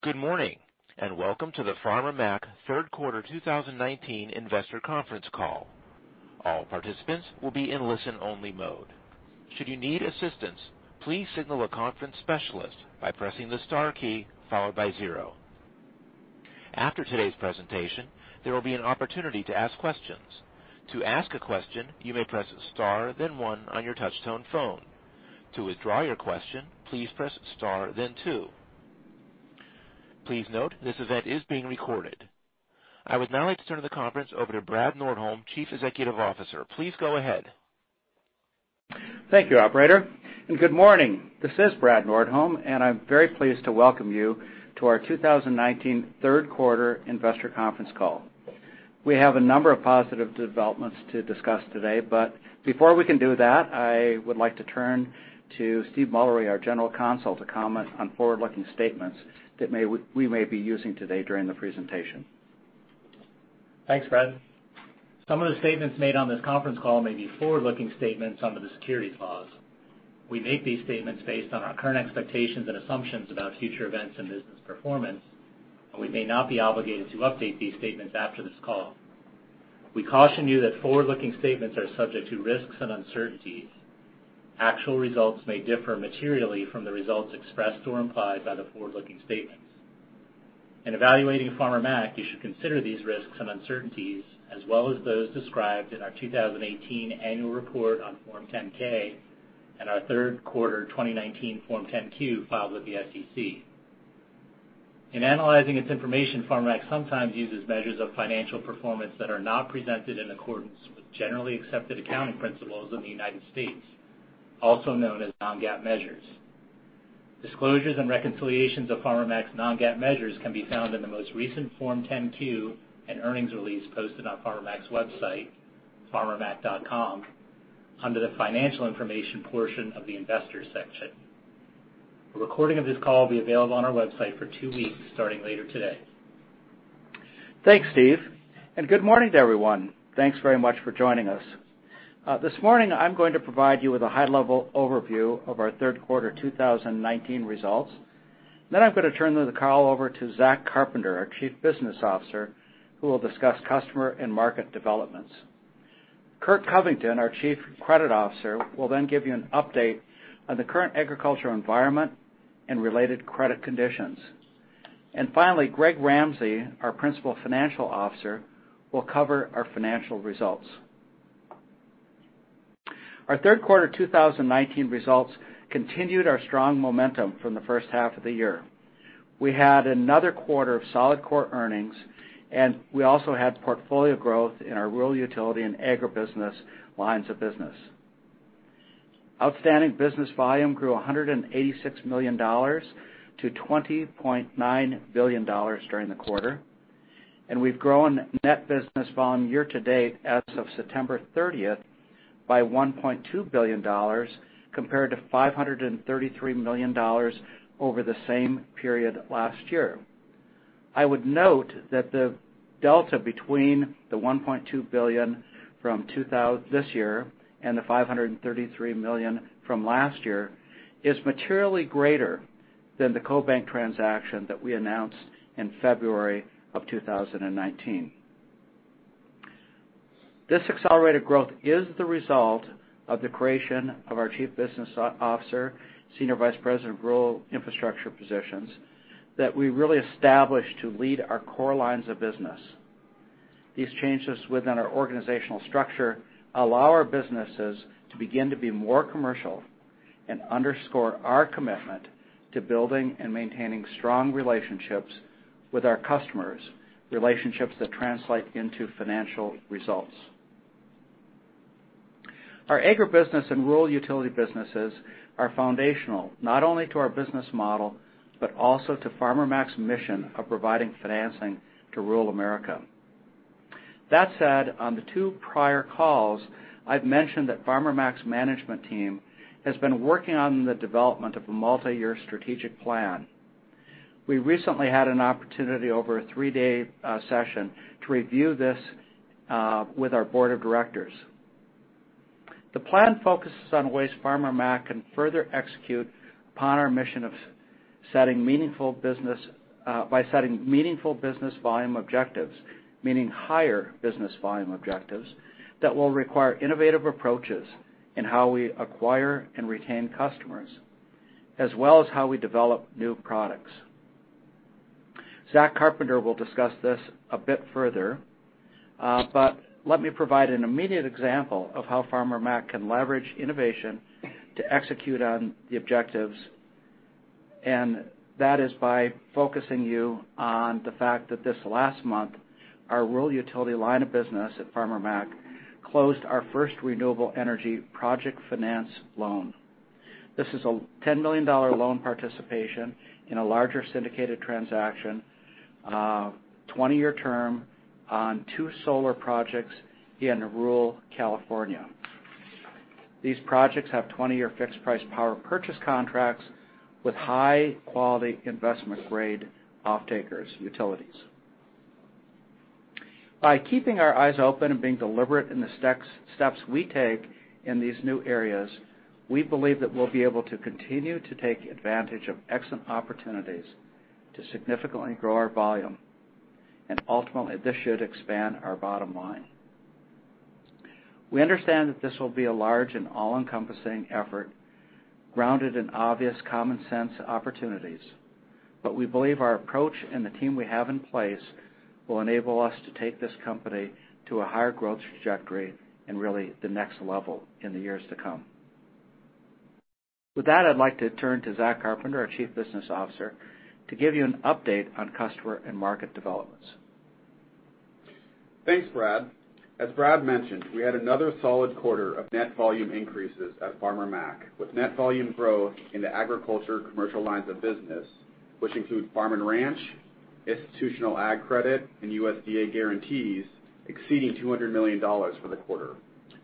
Good morning. Welcome to the Farmer Mac third quarter 2019 investor conference call. All participants will be in listen only mode. Should you need assistance, please signal a conference specialist by pressing the star key followed by zero. After today's presentation, there will be an opportunity to ask questions. To ask a question, you may press star, then one on your touchtone phone. To withdraw your question, please press star, then two. Please note, this event is being recorded. I would now like to turn the conference over to Brad Nordholm, Chief Executive Officer. Please go ahead. Thank you, operator, and good morning. This is Brad Nordholm, and I'm very pleased to welcome you to our 2019 third quarter investor conference call. We have a number of positive developments to discuss today. Before we can do that, I would like to turn to Steve Mullery, our General Counsel, to comment on forward-looking statements that we may be using today during the presentation. Thanks, Brad. Some of the statements made on this conference call may be forward-looking statements under the securities laws. We make these statements based on our current expectations and assumptions about future events and business performance, and we may not be obligated to update these statements after this call. We caution you that forward-looking statements are subject to risks and uncertainties. Actual results may differ materially from the results expressed or implied by the forward-looking statements. In evaluating Farmer Mac, you should consider these risks and uncertainties, as well as those described in our 2018 annual report on Form 10-K and our third quarter 2019 Form 10-Q filed with the SEC. In analyzing its information, Farmer Mac sometimes uses measures of financial performance that are not presented in accordance with generally accepted accounting principles in the United States, also known as non-GAAP measures. Disclosures and reconciliations of Farmer Mac's non-GAAP measures can be found in the most recent Form 10-Q and earnings release posted on Farmer Mac's website, farmermac.com, under the financial information portion of the investors section. A recording of this call will be available on our website for two weeks starting later today. Thanks, Steve, and good morning to everyone. Thanks very much for joining us. This morning, I'm going to provide you with a high-level overview of our third quarter 2019 results. I'm going to turn the call over to Zach Carpenter, our Chief Business Officer, who will discuss customer and market developments. Curt Covington, our Chief Credit Officer, will then give you an update on the current agricultural environment and related credit conditions. Finally, Greg Ramsey, our Principal Financial Officer, will cover our financial results. Our third quarter 2019 results continued our strong momentum from the first half of the year. We had another quarter of solid core earnings, and we also had portfolio growth in our rural utility and agribusiness lines of business. Outstanding business volume grew $186 million to $20.9 billion during the quarter, and we've grown net business volume year to date as of September 30th by $1.2 billion, compared to $533 million over the same period last year. I would note that the delta between the $1.2 billion from this year and the $533 million from last year is materially greater than the CoBank transaction that we announced in February of 2019. This accelerated growth is the result of the creation of our Chief Business Officer, Senior Vice President of Rural Infrastructure positions that we really established to lead our core lines of business. These changes within our organizational structure allow our businesses to begin to be more commercial and underscore our commitment to building and maintaining strong relationships with our customers, relationships that translate into financial results. Our agribusiness and rural utility businesses are foundational, not only to our business model, but also to Farmer Mac's mission of providing financing to rural America. That said, on the two prior calls, I've mentioned that Farmer Mac's management team has been working on the development of a multi-year strategic plan. We recently had an opportunity over a three-day session to review this with our board of directors. The plan focuses on ways Farmer Mac can further execute upon our mission by setting meaningful business volume objectives, meaning higher business volume objectives that will require innovative approaches in how we acquire and retain customers, as well as how we develop new products. Zach Carpenter will discuss this a bit further. Let me provide an immediate example of how Farmer Mac can leverage innovation to execute on the objectives, and that is by focusing you on the fact that this last month, our rural utility line of business at Farmer Mac closed our first renewable energy project finance loan. This is a $10 million loan participation in a larger syndicated transaction, 20-year term on two solar projects in rural California. These projects have 20-year fixed price power purchase agreements with high-quality investment grade off-takers utilities. By keeping our eyes open and being deliberate in the steps we take in these new areas, we believe that we'll be able to continue to take advantage of excellent opportunities to significantly grow our volume. Ultimately, this should expand our bottom line. We understand that this will be a large and all-encompassing effort, grounded in obvious common sense opportunities. We believe our approach and the team we have in place will enable us to take this company to a higher growth trajectory, and really the next level in the years to come. With that, I'd like to turn to Zach Carpenter, our Chief Business Officer, to give you an update on customer and market developments. Thanks, Brad. As Brad mentioned, we had another solid quarter of net volume increases at Farmer Mac, with net volume growth in the agriculture commercial lines of business, which include farm and ranch, institutional ag credit, and USDA guarantees exceeding $200 million for the quarter,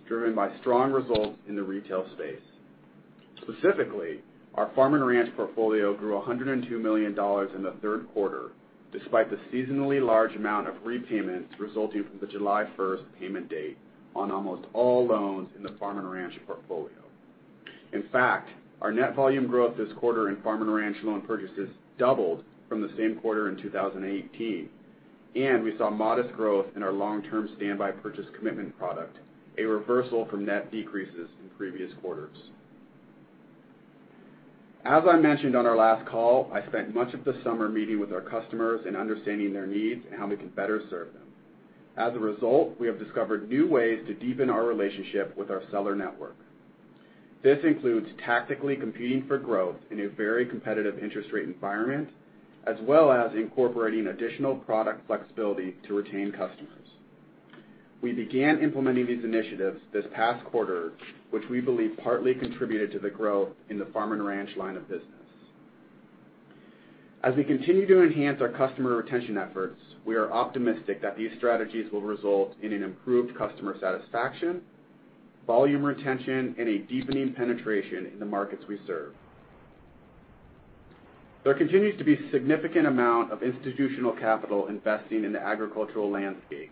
driven by strong results in the retail space. Specifically, our farm and ranch portfolio grew $102 million in the third quarter, despite the seasonally large amount of repayments resulting from the July 1st payment date on almost all loans in the farm and ranch portfolio. In fact, our net volume growth this quarter in farm and ranch loan purchases doubled from the same quarter in 2018. We saw modest growth in our long-term standby purchase commitment product, a reversal from net decreases in previous quarters. As I mentioned on our last call, I spent much of the summer meeting with our customers and understanding their needs and how we can better serve them. As a result, we have discovered new ways to deepen our relationship with our seller network. This includes tactically competing for growth in a very competitive interest rate environment, as well as incorporating additional product flexibility to retain customers. We began implementing these initiatives this past quarter, which we believe partly contributed to the growth in the farm and ranch line of business. As we continue to enhance our customer retention efforts, we are optimistic that these strategies will result in an improved customer satisfaction, volume retention, and a deepening penetration in the markets we serve. There continues to be significant amount of institutional capital investing in the agricultural landscape,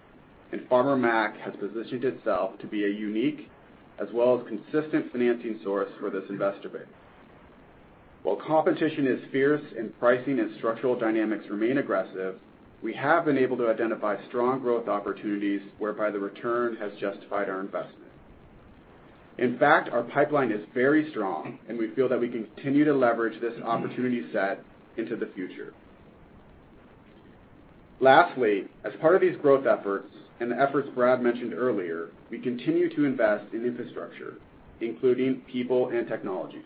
and Farmer Mac has positioned itself to be a unique, as well as consistent financing source for this investor base. While competition is fierce and pricing and structural dynamics remain aggressive, we have been able to identify strong growth opportunities whereby the return has justified our investment. In fact, our pipeline is very strong, and we feel that we continue to leverage this opportunity set into the future. Lastly, as part of these growth efforts and the efforts Brad mentioned earlier, we continue to invest in infrastructure, including people and technology.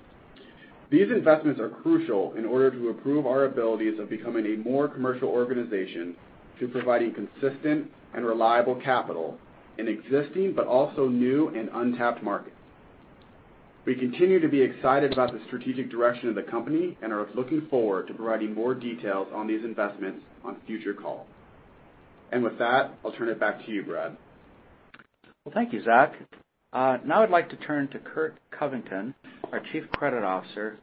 These investments are crucial in order to improve our abilities of becoming a more commercial organization to providing consistent and reliable capital in existing, but also new and untapped markets. We continue to be excited about the strategic direction of the company and are looking forward to providing more details on these investments on future calls. With that, I'll turn it back to you, Brad. Well, thank you, Zach. Now I'd like to turn to Curt Covington, our Chief Credit Officer,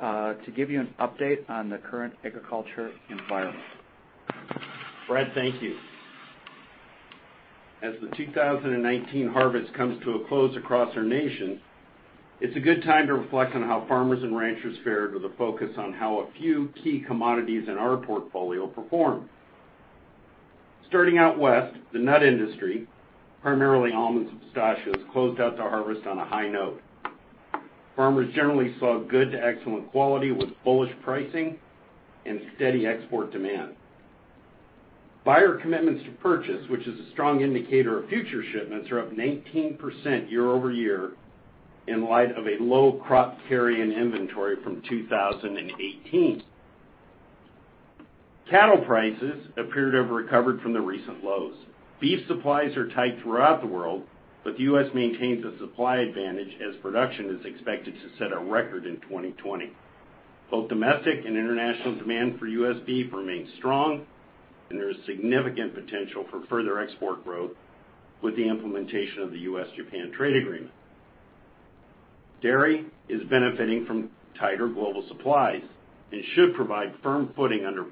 to give you an update on the current agricultural environment. Brad, thank you. As the 2019 harvest comes to a close across our nation, it's a good time to reflect on how farmers and ranchers fared with a focus on how a few key commodities in our portfolio performed. Starting out west, the nut industry, primarily almonds and pistachios, closed out their harvest on a high note. Farmers generally saw good to excellent quality with bullish pricing and steady export demand. Buyer commitments to purchase, which is a strong indicator of future shipments, are up 19% year-over-year in light of a low crop carry in inventory from 2018. Cattle prices appeared to have recovered from the recent lows. Beef supplies are tight throughout the world, but the U.S. maintains a supply advantage as production is expected to set a record in 2020. Both domestic and international demand for U.S. beef remains strong. There is significant potential for further export growth with the implementation of the U.S.-Japan Trade Agreement. Dairy is benefiting from tighter global supplies and should provide firm footing under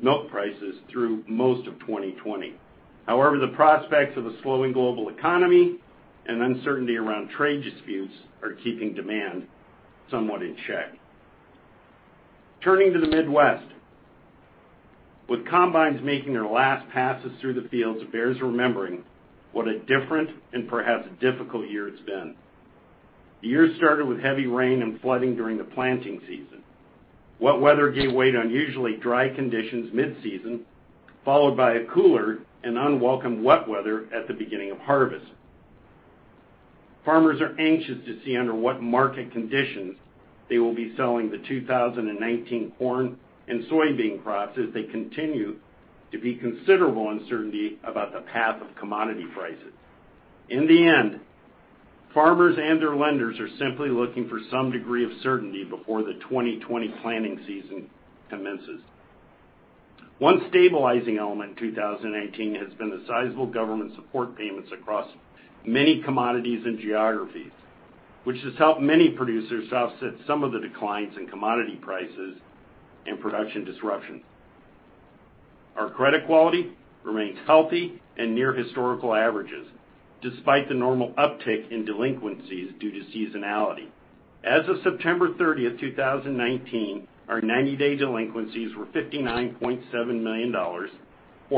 milk prices through most of 2020. However, the prospects of a slowing global economy and uncertainty around trade disputes are keeping demand somewhat in check. Turning to the Midwest. With combines making their last passes through the fields, it bears remembering what a different and perhaps difficult year it's been. The year started with heavy rain and flooding during the planting season. Wet weather gave way to unusually dry conditions mid-season, followed by a cooler and unwelcome wet weather at the beginning of harvest. Farmers are anxious to see under what market conditions they will be selling the 2019 corn and soybean crops, as there continue to be considerable uncertainty about the path of commodity prices. In the end, farmers and their lenders are simply looking for some degree of certainty before the 2020 planting season commences. One stabilizing element in 2019 has been the sizable government support payments across many commodities and geographies, which has helped many producers offset some of the declines in commodity prices and production disruptions. Our credit quality remains healthy and near historical averages despite the normal uptick in delinquencies due to seasonality. As of September 30th, 2019, our 90-day delinquencies were $59.7 million, or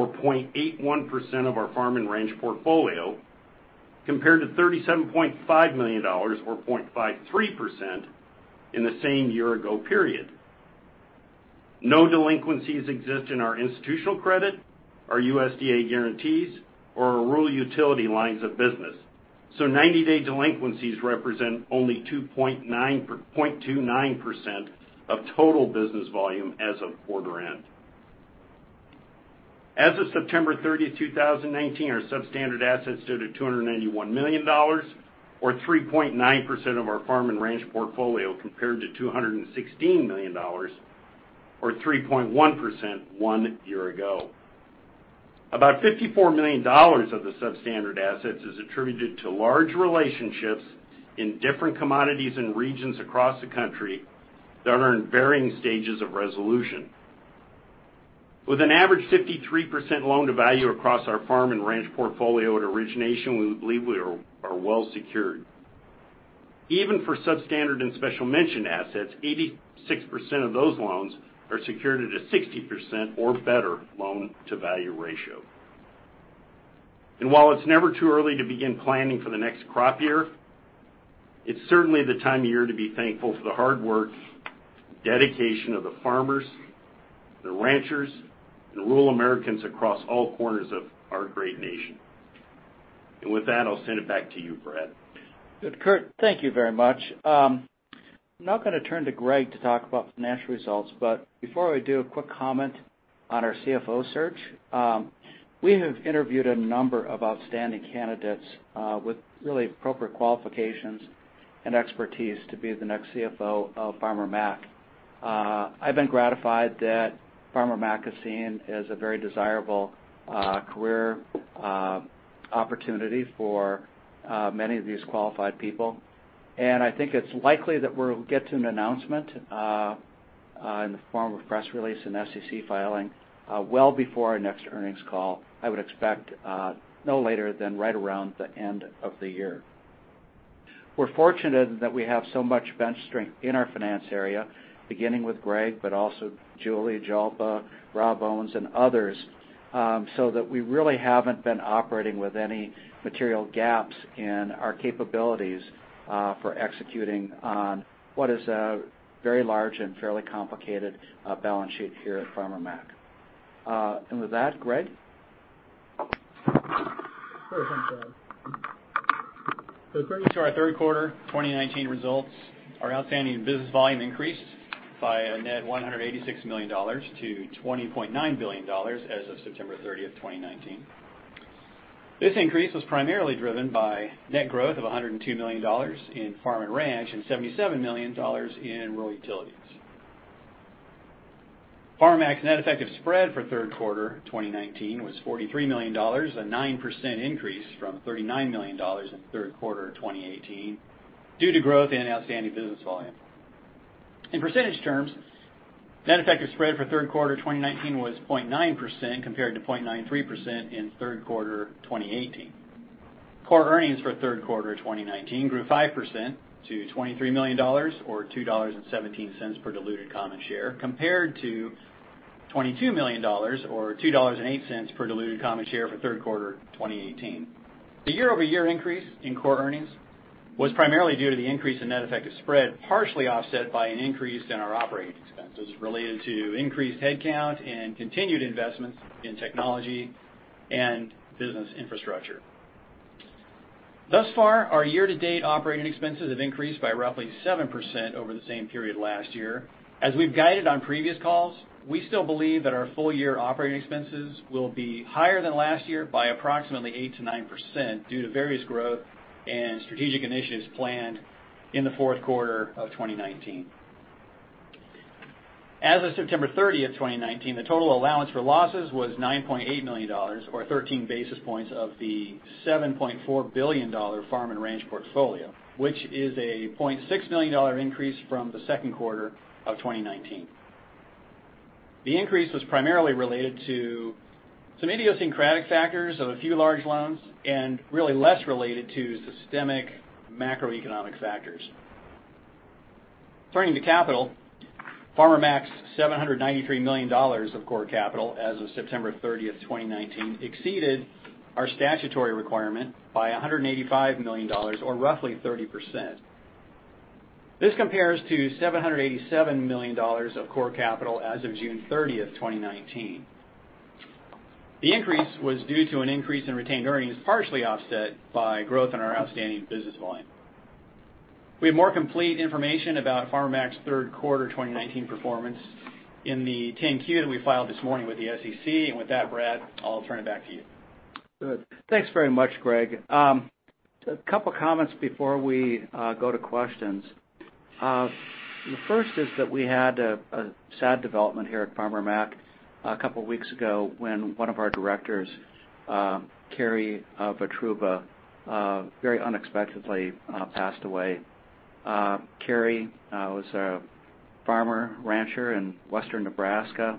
0.81% of our farm and ranch portfolio, compared to $37.5 million, or 0.53%, in the same year-ago period. No delinquencies exist in our institutional credit, our USDA guarantees, or our rural utility lines of business. 90-day delinquencies represent only 0.29% of total business volume as of quarter end. As of September 30, 2019, our substandard assets stood at $291 million, or 3.9% of our farm and ranch portfolio, compared to $216 million, or 3.1%, one year ago. About $54 million of the substandard assets is attributed to large relationships in different commodities and regions across the country that are in varying stages of resolution. With an average 53% loan-to-value across our farm and ranch portfolio at origination, we believe we are well secured. Even for substandard and special mention assets, 86% of those loans are secured at a 60% or better loan-to-value ratio. While it's never too early to begin planning for the next crop year, it's certainly the time of year to be thankful for the hard work, dedication of the farmers, the ranchers, and rural Americans across all corners of our great nation. With that, I'll send it back to you, Brad. Good. Curt, thank you very much. I'm now going to turn to Greg to talk about the financial results. Before I do, a quick comment on our CFO search. We have interviewed a number of outstanding candidates, with really appropriate qualifications and expertise to be the next CFO of Farmer Mac. I've been gratified that Farmer Mac is seen as a very desirable career opportunity for many of these qualified people, and I think it's likely that we'll get to an announcement in the form of a press release and SEC filing well before our next earnings call. I would expect no later than right around the end of the year. We're fortunate that we have so much bench strength in our finance area, beginning with Greg, but also Jalpa Nazareth, Rob Owens, and others, so that we really haven't been operating with any material gaps in our capabilities for executing on what is a very large and fairly complicated balance sheet here at Farmer Mac. With that, Greg. Thanks, Brad. Turning to our third quarter 2019 results, our outstanding business volume increased by a net $186 million to $20.9 billion as of September 30th, 2019. This increase was primarily driven by net growth of $102 million in farm and ranch and $77 million in rural utilities. Farmer Mac's net effective spread for third quarter 2019 was $43 million, a 9% increase from $39 million in third quarter 2018 due to growth in outstanding business volume. In percentage terms, net effective spread for third quarter 2019 was 0.9% compared to 0.93% in third quarter 2018. Core earnings for third quarter 2019 grew 5% to $23 million or $2.17 per diluted common share, compared to $22 million, or $2.08 per diluted common share for third quarter 2018. The year-over-year increase in core earnings was primarily due to the increase in net effective spread, partially offset by an increase in our operating expenses related to increased headcount and continued investments in technology and business infrastructure. Thus far, our year-to-date operating expenses have increased by roughly 7% over the same period last year. As we've guided on previous calls, we still believe that our full-year operating expenses will be higher than last year by approximately 8%-9% due to various growth and strategic initiatives planned in the fourth quarter of 2019. As of September 30th, 2019, the total allowance for losses was $9.8 million, or 13 basis points of the $7.4 billion farm and ranch portfolio, which is a $0.6 million increase from the second quarter of 2019. The increase was primarily related to some idiosyncratic factors of a few large loans and really less related to systemic macroeconomic factors. Turning to capital, Farmer Mac's $793 million of core capital as of September 30th, 2019, exceeded our statutory requirement by $185 million or roughly 30%. This compares to $787 million of core capital as of June 30th, 2019. The increase was due to an increase in retained earnings, partially offset by growth in our outstanding business volume. We have more complete information about Farmer Mac's third quarter 2019 performance in the 10-Q that we filed this morning with the SEC. With that, Brad, I'll turn it back to you. Good. Thanks very much, Greg. A couple comments before we go to questions. The first is that we had a sad development here at Farmer Mac. A couple of weeks ago when one of our directors, Keri Votruba, very unexpectedly passed away. Keri was a farmer, rancher in Western Nebraska,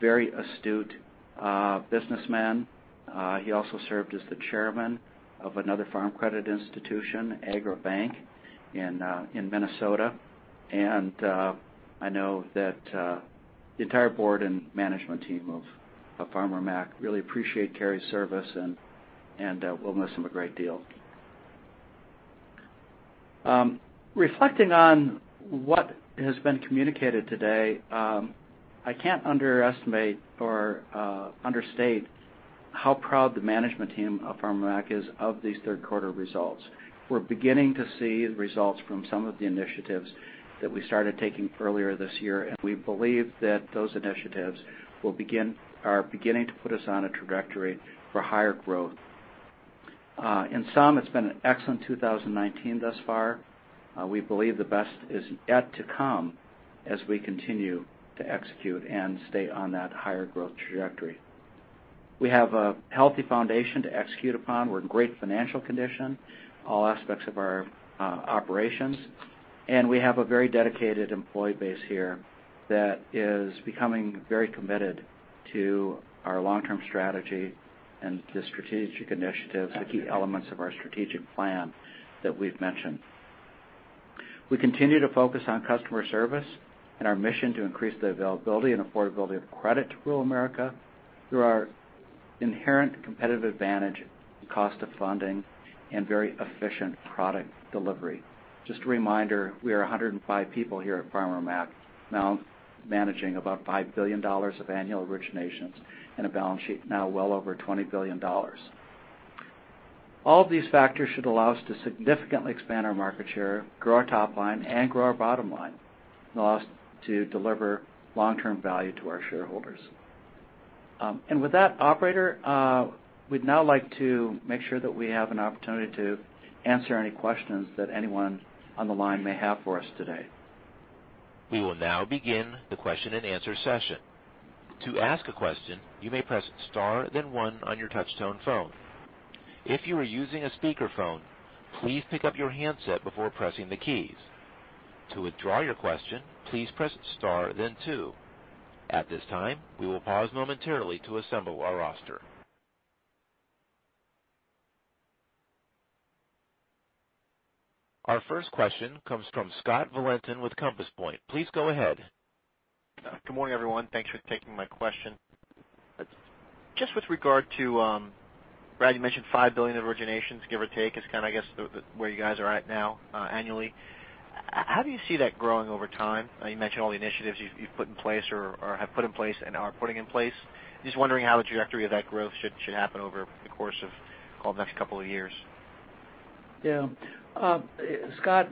very astute businessman. He also served as the chairman of another farm credit institution, AgriBank, in Minnesota. I know that the entire board and management team of Farmer Mac really appreciate Keri's service and we'll miss him a great deal. Reflecting on what has been communicated today, I can't underestimate or understate how proud the management team of Farmer Mac is of these third quarter results. We're beginning to see results from some of the initiatives that we started taking earlier this year. We believe that those initiatives are beginning to put us on a trajectory for higher growth. In sum, it's been an excellent 2019 thus far. We believe the best is yet to come as we continue to execute and stay on that higher growth trajectory. We have a healthy foundation to execute upon. We're in great financial condition, all aspects of our operations, and we have a very dedicated employee base here that is becoming very committed to our long-term strategy and the strategic initiatives, the key elements of our strategic plan that we've mentioned. We continue to focus on customer service and our mission to increase the availability and affordability of credit to rural America through our inherent competitive advantage, cost of funding, and very efficient product delivery. Just a reminder, we are 105 people here at Farmer Mac, now managing about $5 billion of annual originations and a balance sheet now well over $20 billion. All of these factors should allow us to significantly expand our market share, grow our top line, and grow our bottom line, and allow us to deliver long-term value to our shareholders. With that, operator, we'd now like to make sure that we have an opportunity to answer any questions that anyone on the line may have for us today. We will now begin the question and answer session. To ask a question, you may press star then one on your touchtone phone. If you are using a speakerphone, please pick up your handset before pressing the keys. To withdraw your question, please press star then two. At this time, we will pause momentarily to assemble our roster. Our first question comes from Scott Valentin with Compass Point. Please go ahead. Good morning, everyone. Thanks for taking my question. Just with regard to, Brad, you mentioned $5 billion of originations, give or take, is kind of I guess where you guys are at now annually. How do you see that growing over time? You mentioned all the initiatives you've put in place or have put in place and are putting in place. Just wondering how the trajectory of that growth should happen over the course of the next couple of years. Scott,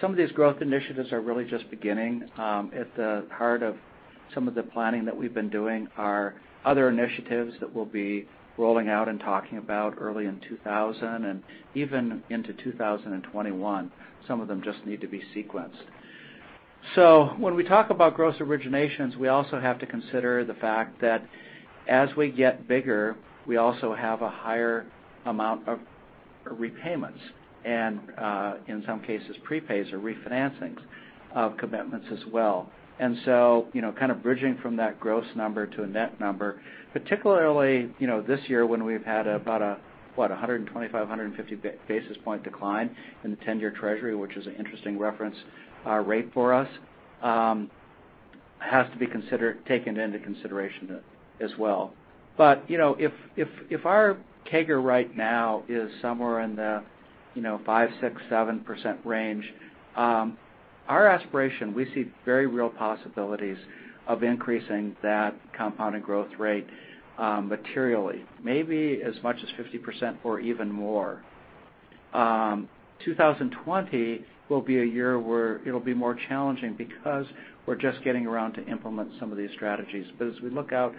some of these growth initiatives are really just beginning. At the heart of some of the planning that we've been doing are other initiatives that we'll be rolling out and talking about early in 2000 and even into 2021. Some of them just need to be sequenced. When we talk about gross originations, we also have to consider the fact that as we get bigger, we also have a higher amount of repayments and, in some cases, prepays or refinancings of commitments as well. Kind of bridging from that gross number to a net number, particularly this year when we've had about a, what, 125, 150 basis point decline in the 10-year Treasury, which is an interesting reference rate for us, has to be taken into consideration as well. If our CAGR right now is somewhere in the 5%, 6%, 7% range, our aspiration, we see very real possibilities of increasing that compounded growth rate materially, maybe as much as 50% or even more. 2020 will be a year where it'll be more challenging because we're just getting around to implement some of these strategies. As we look out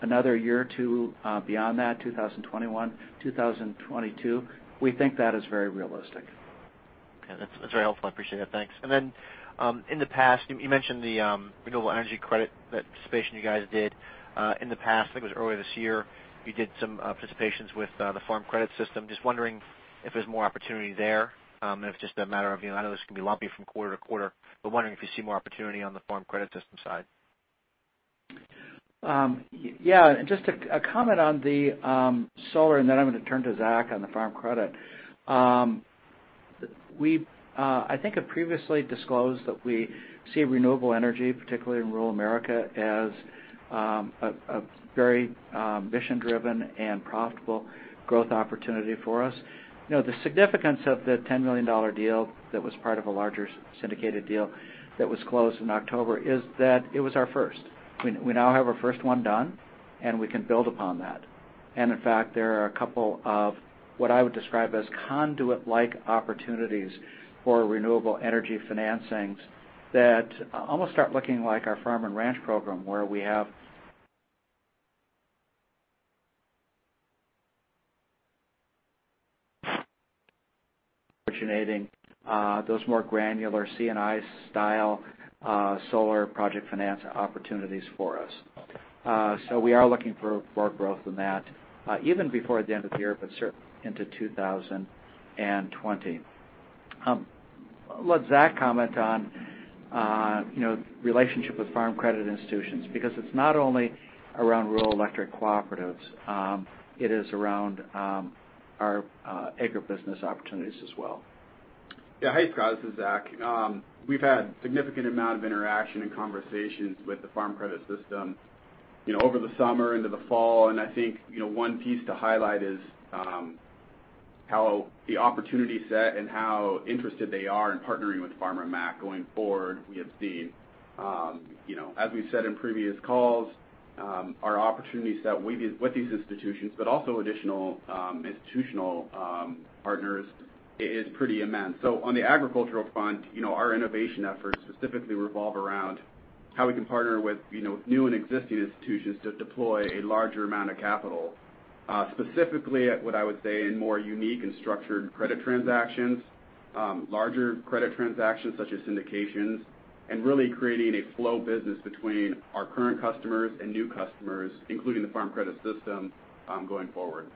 another year or two beyond that, 2021, 2022, we think that is very realistic. Okay. That's very helpful. I appreciate it. Thanks. In the past, you mentioned the renewable energy credit, that participation you guys did in the past, I think it was earlier this year. You did some participations with the Farm Credit System. Just wondering if there's more opportunity there, and if it's just a matter of, I know this can be lumpy from quarter to quarter, but wondering if you see more opportunity on the Farm Credit System side. Yeah. Just a comment on the solar, then I'm going to turn to Zach on the Farm Credit. We I think have previously disclosed that we see renewable energy, particularly in rural America, as a very mission-driven and profitable growth opportunity for us. The significance of the $10 million deal that was part of a larger syndicated deal that was closed in October is that it was our first. We now have our first one done, and we can build upon that. In fact, there are a couple of what I would describe as conduit-like opportunities for renewable energy financings that almost are looking like our farm and ranch program, where we have originating those more granular C&I style solar project finance opportunities for us. We are looking for more growth in that even before the end of the year, but certainly into 2020. I'll let Zach comment on relationship with Farm Credit institutions, because it's not only around rural electric cooperatives, it is around our agribusiness opportunities as well. Yeah. Hey, Scott, this is Zach. We've had significant amount of interaction and conversations with the Farm Credit System over the summer into the fall. I think one piece to highlight is how the opportunity set and how interested they are in partnering with Farmer Mac going forward. We have seen. As we've said in previous calls, our opportunity set with these institutions, but also additional institutional partners, is pretty immense. On the agricultural front, our innovation efforts specifically revolve around how we can partner with new and existing institutions to deploy a larger amount of capital. Specifically at what I would say in more unique and structured credit transactions, larger credit transactions such as syndications, and really creating a flow business between our current customers and new customers, including the Farm Credit System, going forward.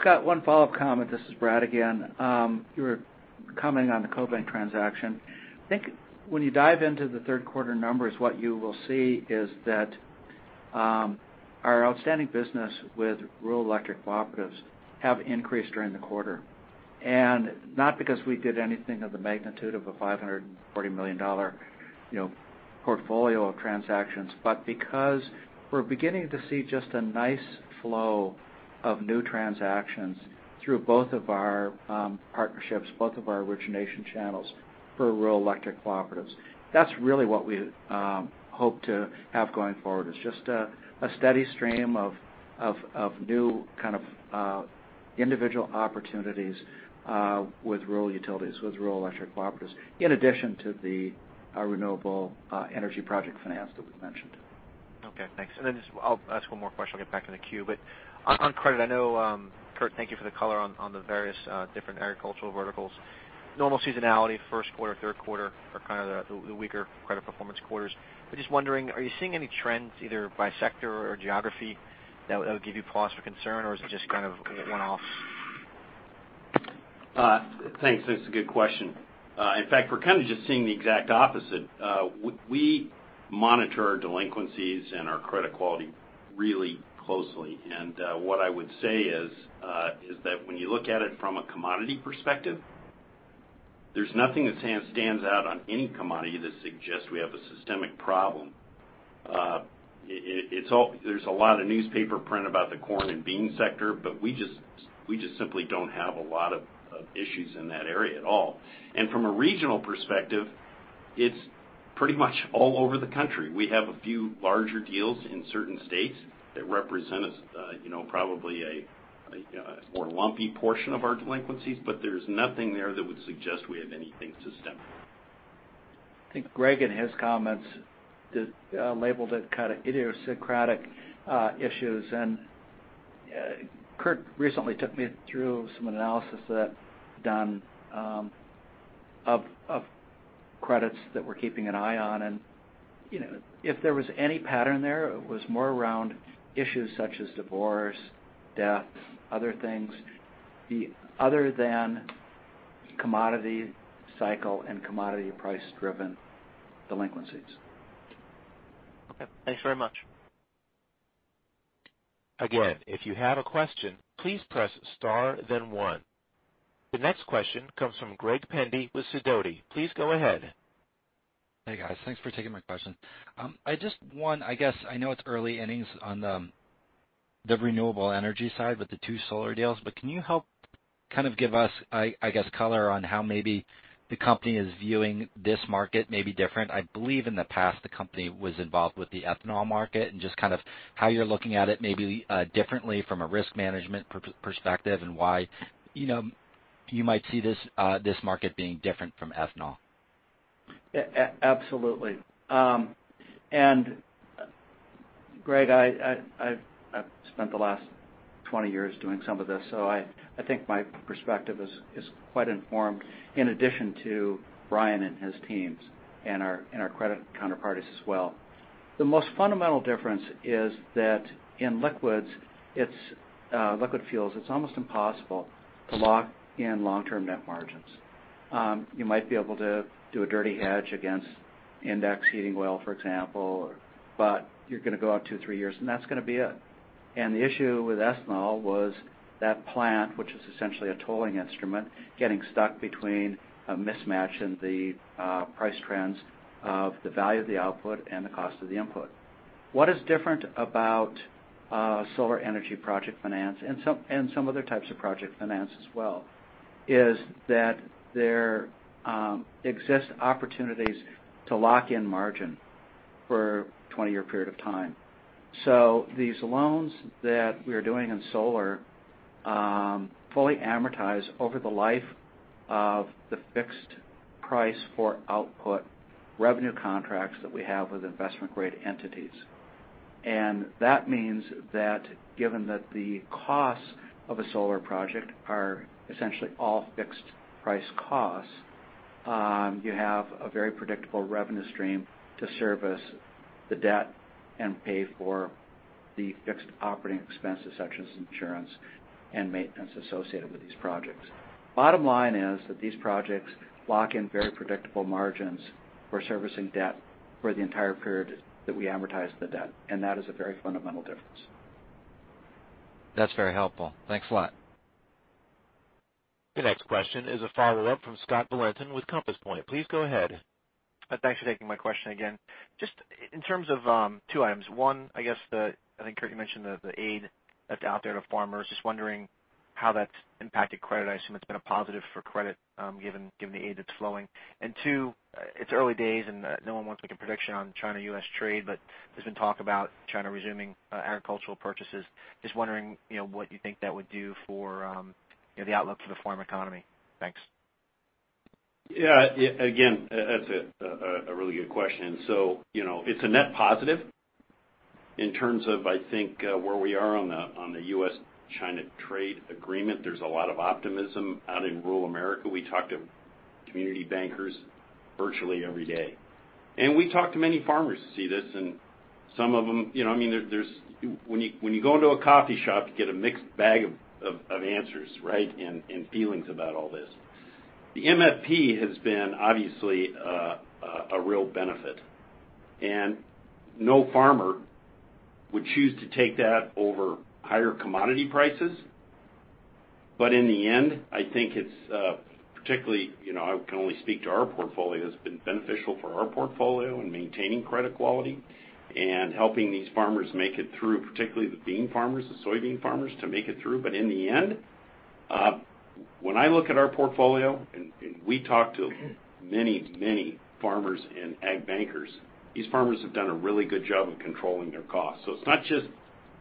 Scott, one follow-up comment. This is Brad again. You were commenting on the CoBank transaction. I think when you dive into the third quarter numbers, what you will see is that our outstanding business with rural electric cooperatives have increased during the quarter. Not because we did anything of the magnitude of a $540 million portfolio of transactions, but because we're beginning to see just a nice flow of new transactions through both of our partnerships, both of our origination channels for rural electric cooperatives. That's really what we hope to have going forward, is just a steady stream of new kind of individual opportunities with rural utilities, with rural electric cooperatives, in addition to the renewable energy project finance that was mentioned. Okay, thanks. Then just I'll ask one more question, I'll get back in the queue. On credit, I know, Curt, thank you for the color on the various different agricultural verticals. Normal seasonality, first quarter, third quarter are kind of the weaker credit performance quarters. Just wondering, are you seeing any trends either by sector or geography that would give you pause for concern, or is it just kind of one-off? Thanks. That's a good question. In fact, we're kind of just seeing the exact opposite. We monitor delinquencies and our credit quality really closely. What I would say is that when you look at it from a commodity perspective, there's nothing that stands out on any commodity that suggests we have a systemic problem. There's a lot of newspaper print about the corn and bean sector, but we just simply don't have a lot of issues in that area at all. From a regional perspective, it's pretty much all over the country. We have a few larger deals in certain states that represent probably a more lumpy portion of our delinquencies, but there's nothing there that would suggest we have anything systemic. I think Greg, in his comments, labeled it kind of idiosyncratic issues. Curt recently took me through some analysis that done of credits that we're keeping an eye on. If there was any pattern there, it was more around issues such as divorce, death, other things, other than commodity cycle and commodity price driven delinquencies. Okay. Thanks very much. Again, if you have a question, please press star then one. The next question comes from Greg Pendy with Sidoti. Please go ahead. Hey, guys. Thanks for taking my question. I just, one, I guess I know it's early innings on the renewable energy side with the two solar deals, but can you help kind of give us, I guess, color on how maybe the company is viewing this market may be different? I believe in the past the company was involved with the ethanol market, and just kind of how you're looking at it may be differently from a risk management perspective, and why you might see this market being different from ethanol. Absolutely. Greg, I've spent the last 20 years doing some of this, so I think my perspective is quite informed, in addition to Brian and his teams and our credit counterparties as well. The most fundamental difference is that in liquids, liquid fuels, it's almost impossible to lock in long-term net margins. You might be able to do a dirty hedge against index heating oil, for example, but you're going to go out two, three years, and that's going to be it. The issue with ethanol was that plant, which is essentially a tolling instrument, getting stuck between a mismatch in the price trends of the value of the output and the cost of the input. What is different about solar energy project finance and some other types of project finance as well, is that there exist opportunities to lock in margin for a 20-year period of time. These loans that we are doing in solar fully amortize over the life of the fixed price for output revenue contracts that we have with investment grade entities. That means that given that the cost of a solar project are essentially all fixed-price costs, you have a very predictable revenue stream to service the debt and pay for the fixed operating expenses such as insurance and maintenance associated with these projects. Bottom line is that these projects lock in very predictable margins for servicing debt for the entire period that we amortize the debt. That is a very fundamental difference. That's very helpful. Thanks a lot. The next question is a follow-up from Scott Valentin with Compass Point. Please go ahead. Thanks for taking my question again. Just in terms of two items. One, I guess, I think, Curt, you mentioned the aid that's out there to farmers. Just wondering how that's impacted credit. I assume it's been a positive for credit, given the aid that's flowing. Two, it's early days and no one wants to make a prediction on China-U.S. trade, but there's been talk about China resuming agricultural purchases. Just wondering what you think that would do for the outlook for the farm economy. Thanks. Yeah. Again, that's a really good question. It's a net positive in terms of, I think, where we are on the U.S.-China trade agreement. There's a lot of optimism out in rural America. We talk to community bankers virtually every day. We talk to many farmers to see this, and some of them when you go into a coffee shop, you get a mixed bag of answers, right? Feelings about all this. The MFP has been obviously a real benefit, and no farmer would choose to take that over higher commodity prices. In the end, I think it's, particularly, I can only speak to our portfolio, has been beneficial for our portfolio in maintaining credit quality and helping these farmers make it through, particularly the bean farmers, the soybean farmers, to make it through. In the end, when I look at our portfolio, and we talk to many farmers and ag bankers, these farmers have done a really good job of controlling their costs. It's not just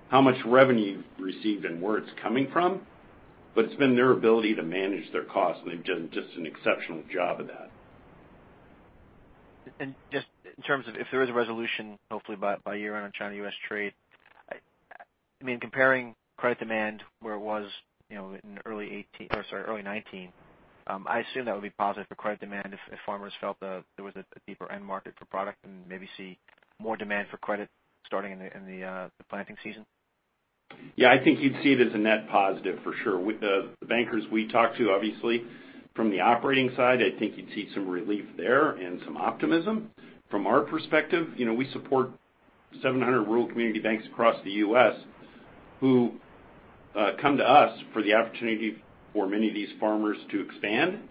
how much revenue you've received and where it's coming from, but it's been their ability to manage their costs, and they've done just an exceptional job of that. Just in terms of if there is a resolution, hopefully by year-end on China-U.S. trade. Comparing credit demand where it was in early 2018, or sorry, early 2019, I assume that would be positive for credit demand if farmers felt there was a deeper end market for product and maybe see more demand for credit starting in the planting season? Yeah, I think you'd see it as a net positive for sure. With the bankers we talk to, obviously, from the operating side, I think you'd see some relief there and some optimism. From our perspective, we support 700 rural community banks across the U.S. who come to us for the opportunity for many of these farmers to expand.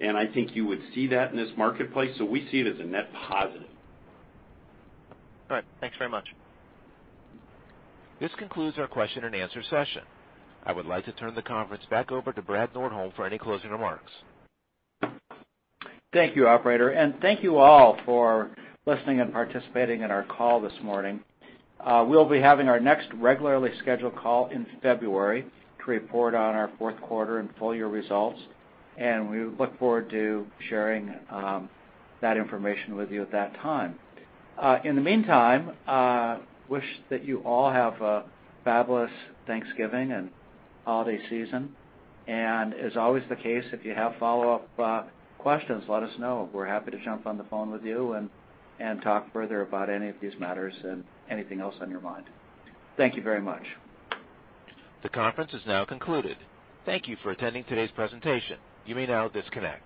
I think you would see that in this marketplace. We see it as a net positive. All right. Thanks very much. This concludes our question and answer session. I would like to turn the conference back over to Brad Nordholm for any closing remarks. Thank you, operator. Thank you all for listening and participating in our call this morning. We'll be having our next regularly scheduled call in February to report on our fourth quarter and full year results, and we look forward to sharing that information with you at that time. In the meantime, wish that you all have a fabulous Thanksgiving and holiday season. As always the case, if you have follow-up questions, let us know. We're happy to jump on the phone with you and talk further about any of these matters and anything else on your mind. Thank you very much. The conference is now concluded. Thank you for attending today's presentation. You may now disconnect.